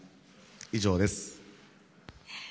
以上です。